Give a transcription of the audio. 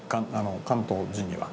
関東人には。